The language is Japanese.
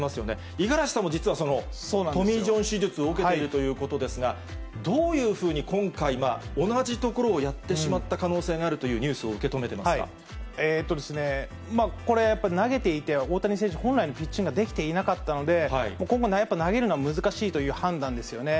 五十嵐さんも実はトミー・ジョン手術を受けているということですが、どういうふうに今回、まあ、同じところをやってしまった可能性があるというニュースを受け止これやっぱり、投げていて、大谷選手、本来のピッチングができていなかったので、今後、やっぱり投げるのは難しいという判断ですよね。